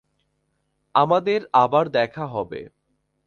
আমাদের আবার দেখা হবে।